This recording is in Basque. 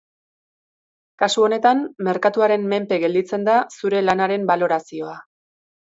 Kasu honetan, merkatuaren menpe gelditzen da zure lanaren balorazioa.